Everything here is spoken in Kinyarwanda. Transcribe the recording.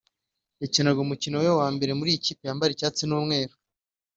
yakinaga umukino we wa mbere muri iyi kipe yambara icyatsi n’umweru